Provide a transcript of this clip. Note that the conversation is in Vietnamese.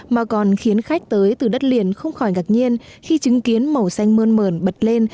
mà còn khiến khách tới từ đất liền không khỏi ngạc nhiên khi chứng kiến màu xanh mơn mờn bật lên